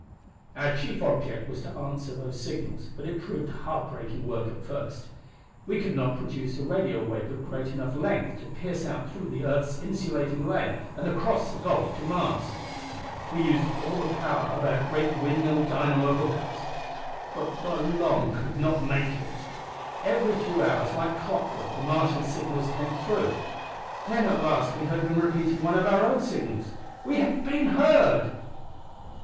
"Our chief object was to answer those signals, but it proved heartbreaking work at first. We could not produce a radio wave of great enough length to pierce out through earth's insulating layer and across the gulf to Mars. We used all the power of our great windmill dynamo hook ups, but for long could not make it. Every few hours like clockwork the Martian signals came through. Then at last we heard them repeating one of our own signals. We had been heard!